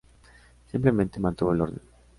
Simplemente mantuvo el orden.